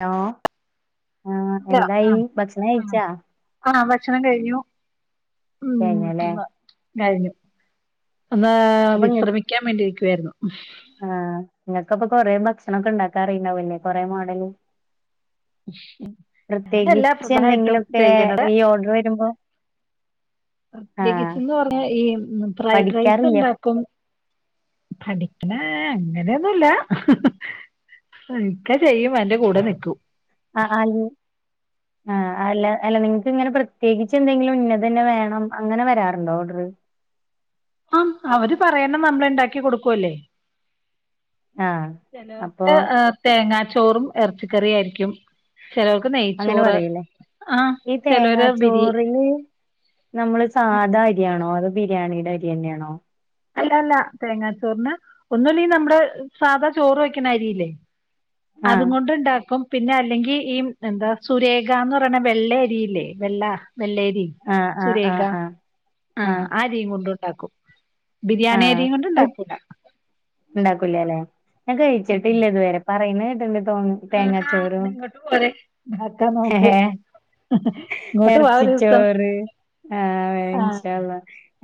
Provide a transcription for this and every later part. Hello ആഹ് ഇല്ല എന്തായി ആഹ് ഭക്ഷണം ആഹ് കഴിച്ചാ. ആഹ് ഭക്ഷണം കഴിഞ്ഞു. ഉം ഏങ്ങല്ലേ കഴിഞ്ഞു ഒന്ന് വിശ്രമിക്കാൻ വേണ്ടിരിക്ക്വായിരുന്നു. ആഹ് ഇങ്ങക്കപ്പം കൊറേ ഭക്ഷണൊക്കെ ഇണ്ടാക്കാ അറിയുണ്ടാവുല്ലേ. കൊറേ മോഡല്. അതല്ല പ്രത്യേകിച്ച് പ്രധാനമായിട്ടും എന്തെങ്കിലൊക്കെ ചെയ്യണത് ഈ ഓഡ്രറ് വരുമ്പം പ്രത്യേകിച്ച് ന്ന് പറഞ്ഞാ ഈ ഫ്രൈഡ് റൈസ് പഠിക്കാറില്ലേ ഉണ്ടാക്കും. പഠിക്ക്ണെ അങ്ങനെ ഒന്നുല്ല ഇക്ക ചെയ്യും എന്റെ കൂടെ നിക്കും. ആഹ് ആയി ആഹ് അല്ല അല്ല നിങ്ങക്ക് ഇങ്ങനെ പ്രത്യേകിച്ച് എന്തെങ്കിലും ഇന്നത് തന്നെ വേണം അങ്ങനെ വരാറുണ്ടോ ഓർഡറ് ആഹ് അവര് പറയണെ നമ്മള് ഉണ്ടാക്കി കൊടുക്കുവല്ലേ ആ അപ്പൊ ചിലവർക്ക് തേങ്ങാ ചോറും ഇറച്ചിക്കറിയും ആയിരിക്കും ചിലവർക്ക് അങ്ങനെ നെയ്ച്ചോറ് പറയൂലേ ആഹ് ഈ ചിലര് ബിരി തേങ്ങാച്ചോറില് നമ്മള് ആ സാധാ അരിയാണോ അതോ ബിരിയാണിയുടെ അരി തന്നെയാണോ അല്ല അല്ല തേങ്ങാച്ചോറിന് ഒന്നുല്ലേങ്കി നമ്മുടെ സാധാ ചോറ് വെക്കുന്ന അരിയില്ലേ ആ അതും കൊണ്ട് ഉണ്ടാക്കും പിന്നെ അല്ലെങ്കി ഈ എന്താ സുരേഖാന്ന് പറയ വെള്ളയരിയില്ലേ വെള്ള വെള്ളയരി ആ ആ ആ സുരേഖ ആ ആഹ് ആ അരിയും കൊണ്ട് ഉണ്ടാക്കും ബിരിയാണി അരിയും കൊണ്ട് ഉണ്ടാക്കൂല ഉണ്ടാക്കൂല അല്ലെ ഞാൻ കഴിച്ചിട്ടില്ലിതുവരെ പറയുന്ന കേട്ടിണ്ട് തോന്നി തേങ്ങാ ആഹാ ചോറും എന്നാ ഇങ്ങോട്ട് പോരെ ഉണ്ടാക്കാം നമുക്ക് ഏഹ് ഇങ്ങോട്ട് വാ ഇറച്ചി ഒരു ദിവസം ചോറ് ആഹ് ആ ഇൻഷാ അള്ളാ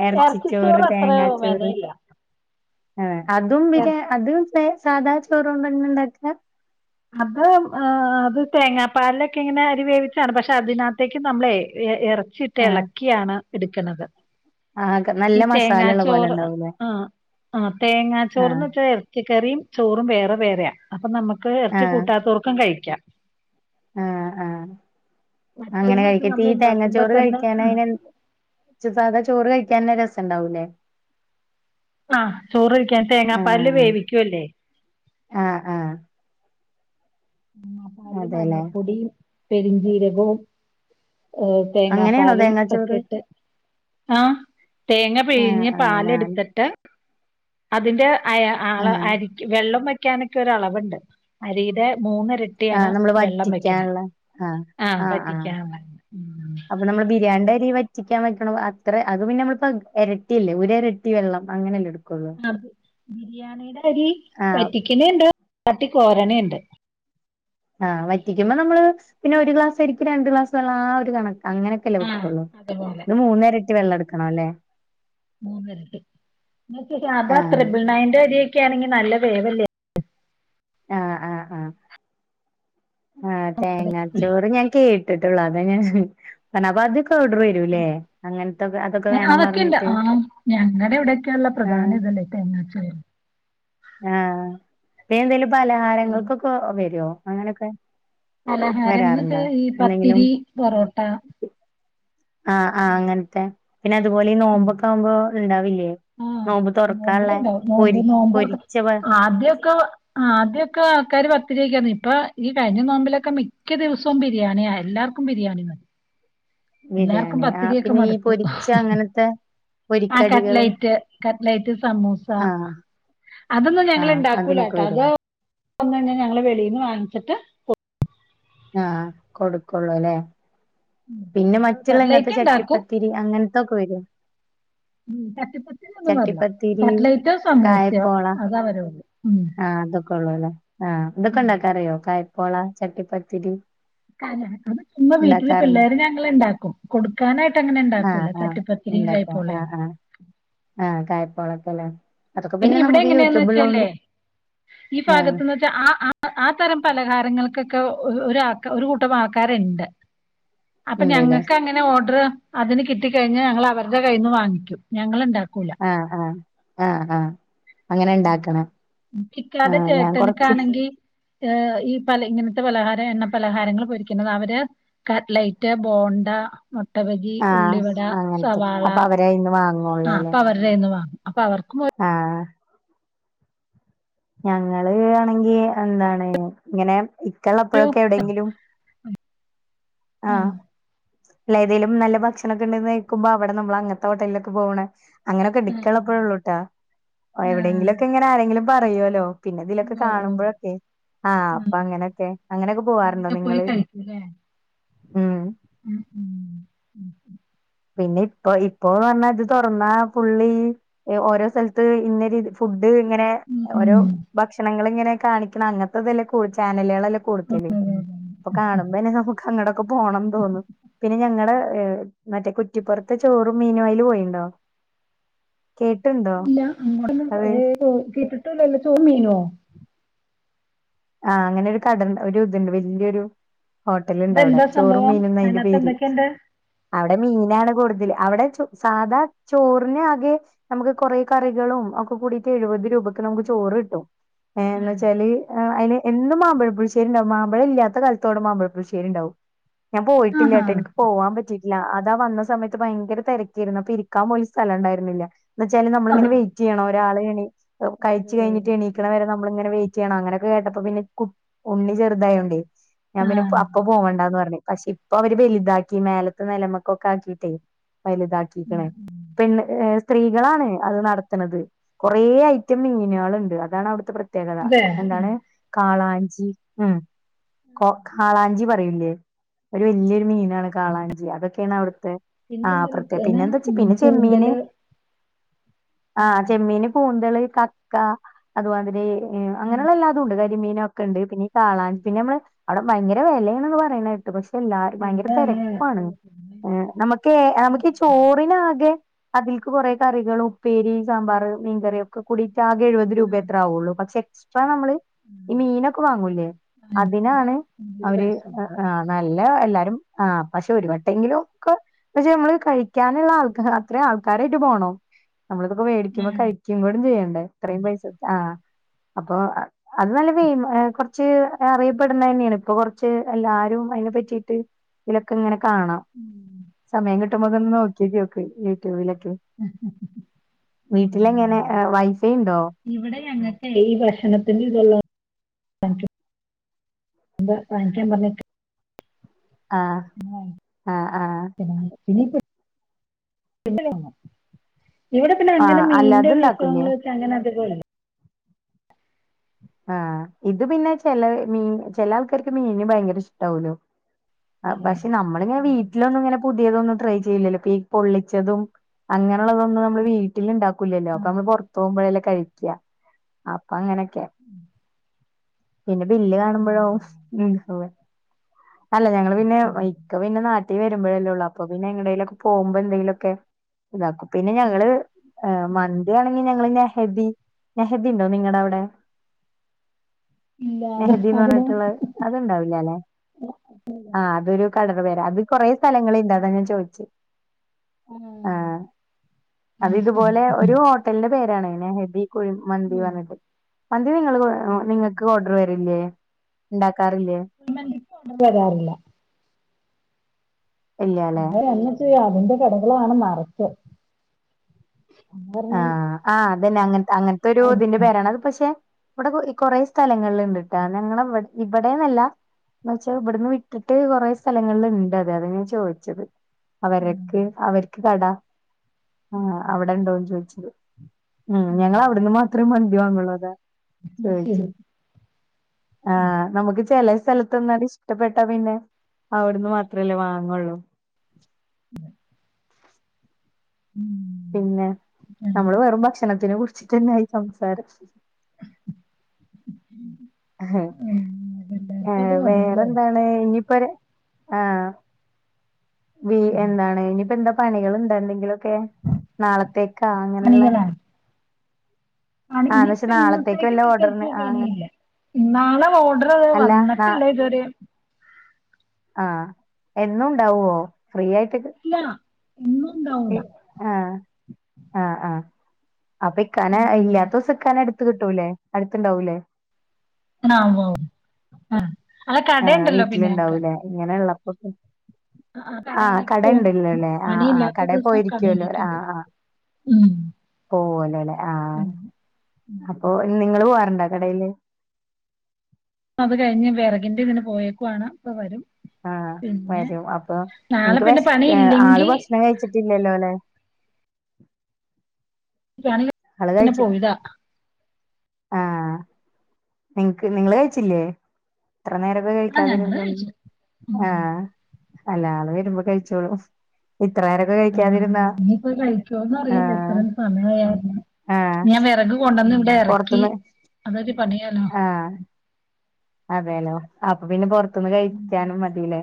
എറച്ചി ചോറ് ഇറച്ചിച്ചോറ് അത്ര തേങ്ങാ ചോറ് വിലയില്ല ആഹ് അതും പിന്നെ അതും സാധാ ചോറും തന്നെ ഇണ്ടാക്ക അത് അത് തേങ്ങാപ്പാലിലൊക്കെ ഇങ്ങനെ അരി വേവിച്ചാണ് പക്ഷെ അതിനകത്തേക്ക് നമ്മളെ എറച്ചി- ചിട്ട ഇളക്കിയാണ് എടുക്കുന്നത് ആകന്ന ഈ തേങ്ങാച്ചോറ് ആഹ് ആഹ് ആഹ് തേങ്ങാച്ചോർന്ന് വച്ച റച്ചി കറിയും ചോറും വേറെ വേറെയാ അപ്പൊ നമുക്ക് ഇറച്ച ആഹ് കൂട്ടാത്തർക്കും കഴിക്കാം ആഹ് ആഹ് അങ്ങനെ മറ്റേതെന്ന് വെച്ചാ കഴിക്ക ഈ നമ്മൾ ഉണ്ടാക്കുമ്പോ തേങ്ങച്ചോറ് തന്നെ കഴിക്കാന അയിനെ സാധാ ചോറ് കഴിക്കാനെ രസം ഉണ്ടാവൂലേ ആഹ് ചോറ്കഴിക്കാൻ തേങ്ങാപ്പാല് ആഹ് വേവിക്കൂല്ലേ ആഹ് ആഹ് മസാല അതെല്ലേ മഞ്ഞപ്പൊടിയും പെരിഞ്ചീരകവും ഈ അങ്ങനെയാണോ തേങ്ങാപ്പാലും ഒക്കെ തേങ്ങാച്ചോറ് ഇട്ട് ആഹ് തേങ്ങ ആഹ് പിഴിഞ്ഞ് ആഹ് ഞാൻ പാലെടുത്തിട്ട് അതിന്റെ അ ആള് ആഹ് അരിക് വെള്ളം വെക്കാനൊക്കെ ഒരളവുണ്ട് അരിയുടെ മൂന്നരട്ടി ട്ടിയണോ വെള്ളം വെക്കണ ആഹ് പറ്റിക്കാ അപ്പൊ നമ്മൾ ബിരിയാണി അരി വറ്റിക്കാൻ വെക്കണ അത്ര അത് പിന്നെ നമ്മളിപ്പോ എരട്ടിയല്ലേ ഒരു എരട്ടിവെള്ളം അങ്ങനെല്ലേ എക്കും ആ ബിരിയാണിയുടെ അരി ആഹ് പറ്റിക്ണെണ്ട് [unintelligible] കോരനുണ്ട് ആഹ് വറ്റിക്കുമ്പോ നമ്മള് പിന്നെ ഒരു ഗ്ലാസരിക് രണ്ട് ഗ്ലാസ് വെള്ളം ആ ഒരു കണക്ക അങ്ങനെ- ആഹ് വക്കുള്ളൂ അതുപോലെ ഇത് മൂന്നേരട്ടി വെള്ളം എടുക്കണ ല്ലേ മൂന്നേരട്ടി അതാ ആഹ് ത്രിബിൾ നയന്റെ അരിക്കെ ണെങ്ക നല്ല വേവല്ലേ ആഹ് ആഹ് ആ തേങ്ങാച്ചോറ് ഞാൻ കേട്ടിട്ടുള്ളു അത ഞാൻ അപ്പൊ അതക്കെ ഓഡർ അതൊക്കെയല്ല പറഞ്ഞിട്ട് ആ ഞങ്ങളുടെ ഇവിടെൊക്കെയള്ള പ്രധാന ആഹ് തല്ലേ എന്നന്ന ചെയ ആഹ് പിന്നെന്തേലും പലഹാരങ്ങൾക്കൊക്കെ വരുവോ അങ്ങനൊക്കെ പലഹാരം എന്നിട്ട് വരാറുണ്ടോ ഈ എന്തെങ്കിലും പത്തിരി പൊറോട്ട ആഹ് ആഹ് അങ്ങനത്തെ പിന്നെ അതുപോലെ ഈ ഉം നോമ്പൊക്കെ ആവുമ്പോ ണ്ടാവില്ലേ ആഹ് നോമ്പ് തോർക്കാള്ളേ നോമ്പിലുണ്ടാവും നോമ്പ് പൊരി നോമ്പൊറക്ക പൊരിച്ച പ- ആദ്യൊക്കെ ആ ആദ്യൊക്കെ ആൾക്കാര് പത്ത് രക്കന്ന് ഇപ്പൊ ഈ കഴിഞ്ഞ നോമ്പിലൊക്കെ മിക്ക ദിവസവും ബിരിയാണിയ എല്ലാർക്കും ക്കും ബിരിയാണി മതി എല്ലാർക്കും ബിരിയാണി ആ പത്തിരി യൊക്കെ പിന്നെ ഈ മടുത്തു പൊരിച്ച അങ്ങനത്തെ ആ പൊരിക്കടികള് കട്ലൈറ്റ് കട്ലൈറ്റ് സമൂസ ആഹ് അതൊന്നും ഞങ്ങള് ആഹ് അതിനൊക്കെ ഇണ്ടാക്കൂലട്ടോ വരോ അത് ഞങ്ങള് വെളിന്ന് വാങ്ങിച്ചിട്ട് ആഹ് കൊടുക്കെള്ളൂല്ലേ ഉം, പിന്നെ അത് മറ്റുള്ള ഇങ്ങനത്തെ കട്ട്ലൈറ്റ് ഇണ്ടാക്കും ചട്ടിപ്പത്തി ത്തിരി അങ്ങനത്തൊക്കെ വരെ ഉം കട്ടിപ്പത്തിരി ഒന്നും [unintelligible] ചട്ടിപ്പത്തിരി കട്ട്ലേറ്റോ സമൂസയോ കായപ്പോള അത അവരള്ളൂ ഉം ഒക്കെ ഒള്ളൂല്ലേ ആഹ് ഇതൊക്കെ ഉണ്ടാക്കൻ അറിയോ കായ്പോള ചട്ടിപ്പത്തിരി [unintelligible] ഉമ്മ വീട്ടില് ഉണ്ടാക്കാറുണ്ടോ പിള്ളേര്ന് ഞങ്ങൾ ഉണ്ടാക്കും കൊടുക്കാനായിട്ട് അങ്ങനെ ആഹ് ഇണ്ടാക്കൂല ആഹ് ചട്ടിപ്പത്തിരി ഉണ്ടാക്കാ കയ്പോളെ ആഹ് യെന്നും ആഹ് ആഹ് കായ്പോളൊക്കല്ലെ പിന്നെ ഇവിടെ എങ്ങനെയാന്ന് വെച്ചല്ലേ ഈ ആഹ് ഭാഗത്തുന്ന് പക്ഷെ ആ ആ ആ തരം പലഹാരങ്ങൾക്കൊക്കെ ഒര് ആ ഒരു കൂട്ടം ആക്കാര് ഇണ്ട് [inaudible] അപ്പൊ ഞങ്ങക്ക് അങ്ങനെ ഓർഡർ അതിന് കിട്ട കഴിഞ്ഞഞ് ഞങ്ങൾ അവരുടെ കയ്യിൽ നിന്ന് വാങ്ങിക്കും ഞങ്ങൾ ഇണ്ടാക്കൂല ആഹ് ആഹ് ആഹ് ആഹ് അങ്ങനെ ഇണ്ടാക്കണം ഇക്കാടെ ആഹ് ഞാൻ കൊറച്ച് ആഹ് ചേട്ടനിക്കാണെങ്കി ഏഹ് ഈ പല ഇങ്ങനത്തെ പലഹാരം എണ്ണ പലഹാരങ്ങൾ പൊരിക്കുന്നത് അവര് കട്ലൈറ്റ് ബോണ്ട മൊട്ടബജി ആഹ് ഉള്ളിവട അങ്ങനത്തൊക്കെ സവാള അപ്പൊ അവരയിന്ന് ആ വാങ്ങോള്ളൂല്ലേ ഇപ്പം അവ- അവരെ കയ്യന്ന് വാങ്ങും അപ്പൊ അവർക്കും ഒ ആഹ് ഞങ്ങള് ആണെങ്കിൽ എന്താണ് ഇങ്ങനെ ഇക്ക ഇള്ള എപ്പോഴൊക്കെ എവിടെയെങ്കിലും ആ ആഹ് അല്ല ഏതേലും നല്ല ഭക്ഷണൊക്കെ ഉണ്ടന്ന് നൽക്കുമ്പോ അവിടെ നമ്മള് അങ്ങട്ടതൊക്ക ഹോട്ടലിലൊക്കെ പോവണ് അങ്ങനെയൊക്കെ ആ ഇക്ക ഉള്ളപ്പോഴെ ഒള്ളൂട്ടെ ആ എവിടെയെങ്കിലൊക്കെ ഇങ്ങനെ ആരെങ്കിലും പറയല്ലോ പിന്നെ ഇതിലൊക്കെ ഓ ഓ കാണുമ്പോഴൊക്കെ ആഹ് ഉം. അപ്പൊ അങ്ങനെയൊക്കെ അങ്ങനെയൊക്കെ പോവാറുണ്ടോ നിങ്ങള് ഇല്ലേ ഉം ഉം ഉം ഉം പിന്നെ ഇപ്പ ഇപ്പൊന്ന് പറഞ്ഞാ ഇത് തുറന്നാ പുള്ളി ഓരോ സ്ഥലത്ത് ഇന്ന രിതി ഫുഡ് ഇങ്ങനെ ഉം ഓരോ ഉം. ഭക്ഷണങ്ങള് ഇങ്ങനെ കാണിക്കണം അങ്ങനത്തെതെല്ലാം ചാനലുകളെല്ലെ കൂടുത്തല് അപ്പൊ കാണുമ്പോന്നെ നമുക്ക് അങ്ങടൊക്കെ പോണം തോന്നും പിന്നെ ഞങ്ങളുടെ മറ്റേ കുറ്റിപ്പുറത്ത് ചോറും മീനും അയിലെ പോയിണ്ടോ കേട്ട്ണ്ടോ ഇല്ല അങ്ങോട്ടന്നും കേട്ടിട്ടില്ല ചോറും മീനോ ആഹ് അങ്ങനെ ഒരു കട ഒരു ഇതുണ്ട് വലിയൊരു ഹോട്ടലുണ്ട് അവിടെ ഇതെന്താ ചോറും സംഭവം മീനും എന്നാ അയിന്റെ അതിനകത്ത് പേര് എന്തൊക്കെയുണ്ട്? അവിടെ മീനാണ് കൂടുതൽ അവിടെ സാധാ ചോറിന് ആകെ നമുക്ക് കുറെ കറികളും ഒക്കെ കൂടിട്ട് എഴുപത് രൂപയ്ക്ക് നമുക്ക് ചോറ് കിട്ടും ഏ ഏന്ന് ഉം. വെച്ചാല് ആ അയില് എന്നും മാമ്പഴം പുളുശ്ശേരി ഉണ്ടാകും മാമ്പഴം ഇല്ലാത്ത കാലത്തോടെ മാമ്പഴം പുളിശ്ശേരി ഉണ്ടാവും ഞാൻ പോയിട്ടില്ല ആഹാ കേട്ടോ എനിക്ക് പോവാൻ പറ്റി ഇല്ല അതാ വന്ന സമയത്ത് ഭയങ്കരം തിരക്കിായിരുന്നു അപ്പൊ ഇരിക്കാൻ പോല സ്ഥലം ഉണ്ടരുന്നില്ല എന്ന് വെച്ചാല് ആ നമ്മളിങ്ങനെ വെയ്റ്റ് ചെയ്യണം ഒരാൾ എണേറ്റ് കഴിച്ച ഓ കഴിഞ്ഞട്ട് എണീക്കണ വരെ നമ്മള ഇങ്ങനെ വെയിറ്റ് ചെയ്യണം അങ്ങനെ കേട്ടപ്പോ പിന്നെ ഉണ്ണി ചെറുതായോണ്ട് ഞാൻ ആ പിന്നെ അപ്പ പോവണ്ടാന്ന് പറഞ്ഞഞ് പക്ഷെ ഇ ഇപ്പൊ അവര് വലുതാക്കി മേലത്ത നിലമക്ക ഒക്കെ ആക്കിയിട്ടേ വലുതാക്കി ആ [unintelligible] പെണ്ണ് ഏഹ് സ്ത്രീകളാണ് അത് നടത്ണന്നത് കൊറെ ഐറ്റം മീനുകളുണ്ട് അതാണ് അവിടുത്തെ പ്രത്യേകത അതെ എന്താണ് കാളാഞ്ചി ഉം കൊ കാളാഞ്ചി പറയുല്ലേ ഒരു വല്ല്യോരു മീനാണ് കാളാഞ്ചി അതൊക്കെയാണ് അവിടുത്തെ ആഹ് പിന്നെണ്ടല്ലോ പ്രത്യേക ചേന പിന്നെ എന്താ വച്ച ഉം പിന്നെ ചെമ്മീന് കൂന്തല് ഉം ആഹ് ചെമ്മീന് കൂന്തള് കക്ക അതുമാതിരി ആ അങ്ങനെയുള്ള എല്ലാതുംണ്ട് കരിമീനൊക്കെണ്ട് പിന്ന ഈ കാളാഞ്ചി പിന്നെ നമ്മള് അവിടെ ഭയങ്കര വിലേന്ന് പറയണേട്ട് പക്ഷെ എല്ലരും ഭയങ്കര എല്ലാല്ലേ തിരക്കാണ് ഏഹ് നമക്ക് നമക്ക് ചോറിനാകെ അതിൽക്ക് കുറെ കറികളും ഉപ്പേരി സാമ്പാറ് മീൻകറി ക്കെ കൂടിയിട്ടാകെ എഴുപത് ആ ആ രൂപയത്ര ആവുള്ളൂ പക്ഷെ എക്സ്ട്രാ നമ്മള് ഈ മീനൊക്കെ വാങ്ങൂല്ലേ ആ, പിന്നെ അതിനാണ് കൂന്തല് അവര് കഴിച്ചു. എഹ് ആഹ് നല്ല എല്ലാരും ആഹ് പക്ഷെ ഒരു വട്ടെങ്കിലും ഒക്ക പക്ഷെ നമ്മള് കഴിക്കാനുള്ള ആൾക്കരേ അത്ര ആൾക്കാരായിട്ട് പോണം നമ്മള് ഇതൊക്കെ മേടിക്കുമ്പോ കഴിക്കും കൂടും ചെയ്യണ്ടേ ഇത്രയും പൈസ ആഹ് അപ്പൊ അത് നല്ല പെമ് എഹ് കൊറച്ച് അറിയപ്പെടുന്നന്നെയാണ് ഇപ്പൊ കൊറച്ച് എല്ലാരും അയ്നെ പറ്റിട്ട് ലൊക്കെങ്ങനെ കാണാ ഉം. സമയം കിട്ടുമ്പോക്ക ഒന്ന് നോക്കിക്ക്യോ ക്ക് യൂട്യൂബിലൊക്കെ വീട്ടിലങ്ങനെ ഉം. എഹ് വൈഫയ് ണ്ടോ ഇവിടെ ഞങ്ങക്കെ ഈ ഭക്ഷണത്തിന്റെ ഇതല്ലാം [unintelligible] എന്താ [unintelligible] പറഞ്ഞിട്ട് ആഹ് [unintelligible] ആഹ് ആഹ് ഇവിടെ പിന്നെ അങ്ങനെ ആഹ് മീന്റെ അല്ലാതെ ഇണ്ടാക്കൂലേ വിഭവങ്ങൾ വെച്ച അങ്ങനെ അതപോല ആഹ് ഇത് പിന്നെ ചില മീൻ ചില ആൾക്കാർക്ക് മീന് ഭയങ്കര ഇഷ്ടവോല്ലോ അഹ് പക്ഷെ അതുകൊണ്ട് നമ്മളിങ്ങനെ വീട്ടിലൊന്നും ഇങ്ങനെ പുതിയതൊന്നും ട്രൈ ചെയ്ല്ലല്ലോ ഈ മീൻ പൊള്ളിച്ചതും അങ്ങനെയുള്ളതൊന്നും നമ്മള് വീട്ടിൽണ്ടാക്കൂല്ലല്ലോ ഒക്കെ നമ്മള് പൊർത്തോഉമ്പഴെല്ലെ കഴിക്ക അപ്പൊ അങ്ങനൊക്കെ പിന്നെ ബില്ല് കാണുമ്പഴോ ഉംഅതെ അല്ല ഞങ്ങള് പിന്നെ ഇക്ക പിന്നെ നാട്ടി വരുമ്പഴല്ലേ ഉള്ളൂ അപ്പൊ പിന്നെ എങ്ടേലൊക്കെ പോഉമ്പോ എന്തെലുക്കെ ഇതാക്കും പിന്നെ ഞങ്ങള് എഹ് മ ത് വേണെങ്കിൽ ഞങ്ങള് നഹദി നെഹദിണ്ടോ നിങ്ങടെ അവിടെ ഇല്ല അത് നെഹദീന്ന് അതിന് പറഞ്ഞിട്ടുള്ള അത്ണ്ടാവില്ലല്ലെ ആഹ് അതൊരു കടയുടെ പേരാ അത് കുറെ സ്ഥലങ്ങളിണ്ട് അതാ ഞാൻ ചോയ്ചെ ആഹ് അത് ഇത് പോലെ ഒരു ഹോ ട്ടൽന്റെ പേരാണ് നഹ്‌ദി കുഴി മന്തി പർഞ്ട്ട് മന്തി നിങ്ങള് നിങ്ങക്ക് ഓർഡർ വരില്ലേ ണ്ടാക്കാറില്ലേ മന്തിക്ക് ഓർഡർ വരാറില്ല ഇല്ലാല്ലെ അത് എന്നാ ചെയ്യ അതിന്റെ കടകളാണ് ന്നറച് ആഹ് ആഹ് അതന്നെ അങ്ങൻ അങ്ങൻത്തെ ഒരു ഇതിന്റെ പേരാണ് അത് പക്ഷെ ഇവിടെ കുറെ സ്ഥലങ്ങളിൽ ണ്ട്ട്ടാ ഞങ്ങടെ വ ഇവിടെന്നല്ല ന്നച്ചാ ഇവിടുന്ന് വിട്ടിട്ട് കുറെ സ്ഥലങ്ങള്ണ്ട് അതെ അത ഞാൻ ചോയ്ച്ചത് ഉം, അവരക്ക് അവർക്ക് കട ആഹ് അവിടെ ഉണ്ടോന്ന് ചോയ്ച്ചത് ഉം ഞങ്ങള് അവിടുന്ന് മാത്രേ മന്തി വാങ്ങുള്ളൂ അതാ ശരി ചോയ്ചെ ആഹ് നമുക്ക് ചെലേ സ്ഥലത്ത് ന്നാണ്ട് ഇഷ്ടപ്പെട്ടാ പിന്നെ അവിടുന്ന് മാത്രല്ലേ വാങ്ങോള്ളൂ [inaudible] ഉം പിന്നെ ഉം, നമ്മള് വെറും ഭക്ഷണത്തിനെ കുറിച്ച് തന്നെയി സംസാരം ഏഹ് ഉം, എല്ലാവർക്കും അത് മതിയല്ലോ വേറെന്താ ഇനിയിപ്പോ ആഹ് എന്താണ് ഇനിയിപ്പ എന്താ പണികൾ ഇണ്ടണ്ടെങ്കിലൊക്കെ നാളത്തേക്കാ അങ്ങനെയുള്ള പണികളാണ് ആണ് ആ എന്ന് വെച്ചാ ഇനിയിപ്പ നാളത്തേക്ക് ഇന്നത്തേക്ക് വല്ല ഓർഡറിന് ആ പ്രത്യേകിച്ച് അങ്ങനെ പണിയില്ല ഇന്നാളെ ഓഡർ അല്ല വന്നിട്ടില്ല ഇതുവരെ ആഹ് എന്നുണ്ടാവുവോ ഫ്രീ ആയിട്ട് ഇല്ല ഇന്നും ഉണ്ടാവൂല ആഹ് ആഹ് ആഹ് അപ്പൊ ഇക്കാനെ ഉം ഇല്ലാത്ത ദിവസം ഇക്കാനെ എടുത്ത് കിട്ടൂലേ അടുത്തണ്ടാവൂലേ ആവും ആവും അല്ല കടയുണ്ടല്ലോ പിന്നെ നമക്ക് ഇങ്ങനെ ഉള്ളപ്പൊ ആഹ് കടയിലേക്ക് പോവും കടയുണ്ടല്ലോല്ലേ ആഹ് ആഹ് പണിയില്ലാത്ത കടേൽ ദിവസം പോയിരിക്കുവല്ലോ കടയിലേക്ക് ആഹ് പോവും ആഹ് ഉം പോവലേല്ലെ ആഹ് അപ്പൊ നിങ്ങള് പോവാറുണ്ടോ കടയില് അത് കഴിഞ്ഞ് വിറകിന്റെ ഇങ്ങന്ന് പോയേക്കുവാണ് ഇപ്പ വരും ആഹ് പിന്നെ വരും അപ്പൊ നാളെ നിനിക്ക് പിന്നെ പണി വേശകേക് ആള് ഇല്ലെങ്കി ഭക്ഷണം കഴിച്ചിട്ടില്ലല്ലോ അലെ ആള് പിന്നെ കഴിച്ചി പോയതാ ആഹ് നിങ്ങക്ക് നിങ്ങള് കഴിച്ചില്ലേ എത്ര നേരം ഭക്ഷണം ആ കഴിക്കാതെ ഞങ്ങള് കഴിച്ചു ഉം ആഹ് അല്ല ആള് വരുമ്പോ കഴിച്ചോളും ഇത്ര നേരം ആഹ് നീപ്പോ കഴിക്കുവോന്ന് അറിയില്ല ആഹ് ഇത്രയും സമയയരുന്നു ആഹ് ഞാൻ വിറക് കൊണ്ടന്ന് ഇവിടെ ഇറക്കി പൊറത്തുന്ന് അതൊരു പണിയാരു അതേനോ അപ്പൊ പിന്നെ പുൊറത്തുന്ന് കഴിക്കാനും മതില്ലേ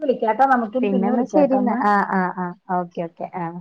വിളിക്ക കേട്ടോ നമുക്ക് പിന്നെന്നാ ശരിന്ന് ആഹ് ആഹ് ആഹ് ഓക്കെ ഓക്കെ ആഹ്